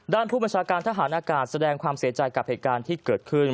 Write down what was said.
ผู้บัญชาการทหารอากาศแสดงความเสียใจกับเหตุการณ์ที่เกิดขึ้น